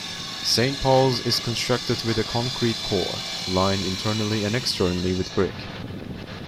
Saint Paul's is constructed with a concrete core, lined internally and externally with brick.